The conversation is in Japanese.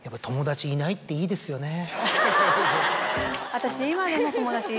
私。